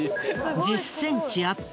１０ｃｍアップ。